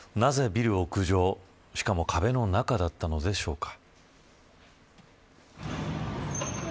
なぜビル屋上、しかも壁の中だったのでしょうか。